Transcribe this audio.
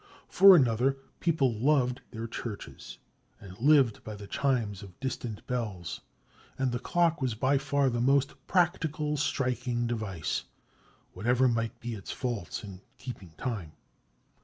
For another, people loved their churches and lived by the chimes of distant bells; and the clock was by far the most practical striking device, whatever might be its faults in keeping time.